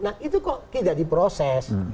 nah itu kok tidak diproses